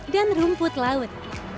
dan rumput laut